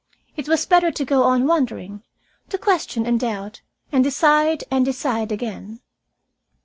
It was better to go on wondering, to question and doubt and decide and decide again.